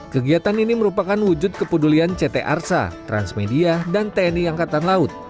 kegiatan ini merupakan wujud kepedulian ct arsa transmedia dan tni angkatan laut